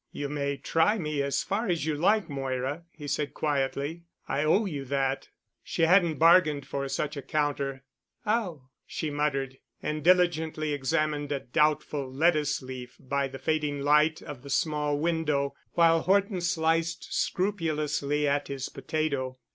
"You may try me as far as you like, Moira," he said quietly, "I owe you that." She hadn't bargained for such a counter. "Oh," she muttered, and diligently examined a doubtful lettuce leaf by the fading light of the small window, while Horton sliced scrupulously at his potato.